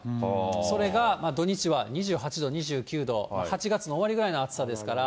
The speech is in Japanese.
それが土日は２８度、２９度、８月の終わりぐらいの暑さですから。